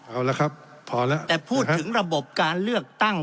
เอาละครับพอแล้วแต่พูดถึงระบบการเลือกตั้ง